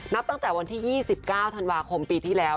ตั้งแต่วันที่๒๙ธันวาคมปีที่แล้ว